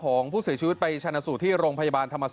ของผู้เสียชีวิตไปชนะสูตรที่โรงพยาบาลธรรมศาส